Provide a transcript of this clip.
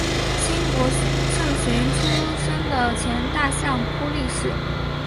清国胜雄出身的前大相扑力士。